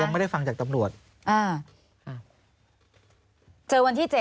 มูลนิธิ